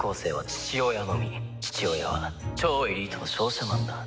「父親は超エリートの商社マンだ」